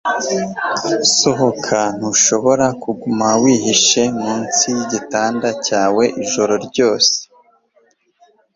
Sohoka Ntushobora kuguma wihishe munsi yigitanda cyawe ijoro ryose